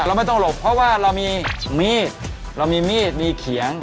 เราไม่ต้องหลบเพราะว่าเรามีมีดมีเขียง